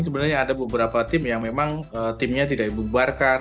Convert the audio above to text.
sebenarnya ada beberapa tim yang memang timnya tidak dibubarkan